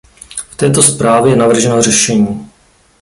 V této zprávě je navrženo řešení.